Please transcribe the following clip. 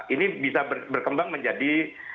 ini bisa berkembang menjadi